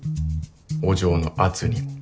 お嬢の圧にも。